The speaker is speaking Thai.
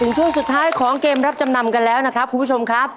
ช่วงสุดท้ายของเกมรับจำนำกันแล้วนะครับคุณผู้ชมครับ